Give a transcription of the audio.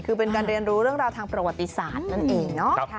คือเป็นการเรียนรู้เรื่องราวทางประวัติศาสตร์นั่นเองเนาะ